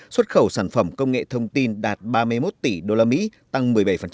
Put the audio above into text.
xuất khẩu sản phẩm công nghệ thông tin đạt ba mươi một tỷ usd tăng một mươi bảy